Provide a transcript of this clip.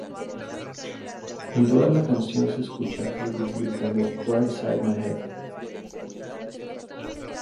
En toda la canción se escucha al grupo gritando ""War Inside My Head"".